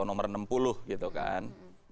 nomor enam puluh gitu kan